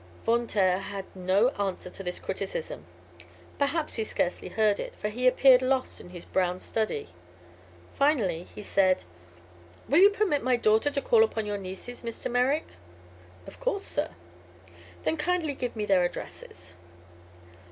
Von Taer had no answer to this criticism. Perhaps he scarcely heard it, for he appeared lost in a brown study. Finally he said: "Will you permit my daughter to call upon your nieces, Mr. Merrick?" "Of course, sir." "Then kindly give me their addresses."